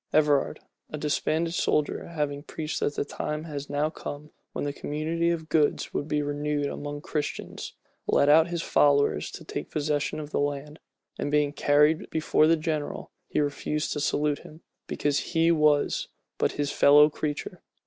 Everard, a disbanded soldier, having preached that the time was now come when the community of goods would be renewed among Christians, led out his followers to take possession of the land; and being carried before the general, he refused to salute him, because he was but his fellow creature.